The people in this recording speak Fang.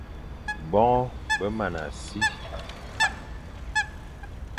Boñe be mana si,